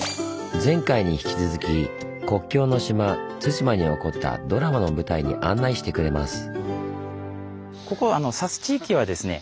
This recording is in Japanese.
前回に引き続き国境の島・対馬に起こったドラマの舞台に案内してくれます。